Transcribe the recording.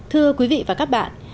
thưa quý vị và các bạn